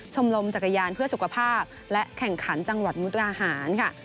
ลมจักรยานเพื่อสุขภาพและแข่งขันจังหวัดมุกดาหารค่ะ